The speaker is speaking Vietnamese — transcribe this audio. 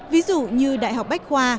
ví dụ như đại học bách khoa